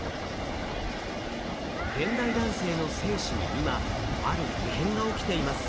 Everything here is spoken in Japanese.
現代男性の精子に今ある異変が起きています。